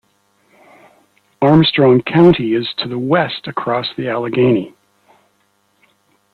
Armstrong County is to the west across the Allegheny.